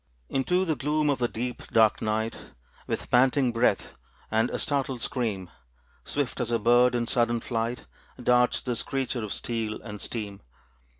Into the gloom of the deep, dark night, With panting breath and a startled scream; Swift as a bird in sudden flight Darts this creature of steel and steam.